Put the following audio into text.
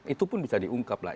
itu pun bisa diungkap lah